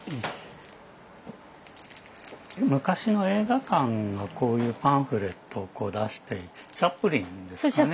昔の映画館がこういうパンフレットを出していてチャップリンですかね？